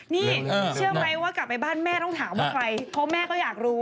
นี่เชื่อไหมว่ากลับไปบ้านแม่ต้องถามว่าใครเพราะแม่ก็อยากรู้